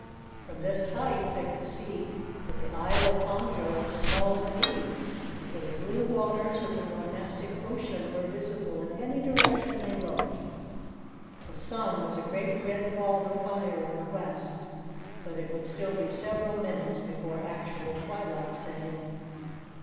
From this height they could see that the Isle of Conjo was small indeed, for the blue waters of the Nonestic Ocean were visible in any direction they looked. The sun was a great red ball of fire in the west, but it would still be several minutes before actual twilight set in.